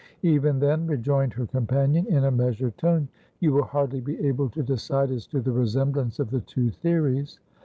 "Even then," rejoined her companion, in a measured tone, "you will hardly be able to decide as to the resemblance of the two theories."